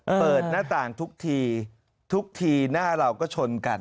เปิดหน้าต่างทุกทีทุกทีหน้าเราก็ชนกัน